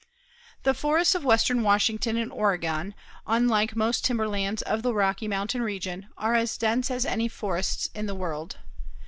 The forests of western Washington and Oregon, unlike most timberlands of the Rocky Mountain Region, are as dense as any forests in the world.